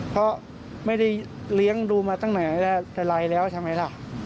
เพราะไม่ได้เลี้ยงดูมาตั้งแต่ไรแล้วใช่ไหมล่ะ